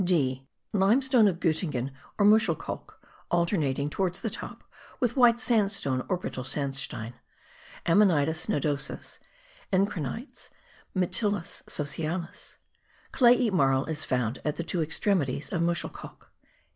(d) Limestone of Gottingen or muschelkalk alternating towards the top with white sandstone or brittle sandstein. (Ammonitis nodosus, encrinites, Mytilus socialis): clayey marl is found at the two extremities of muschelkalk.